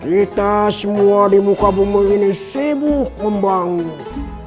kita semua di muka bumi ini sibuk membangun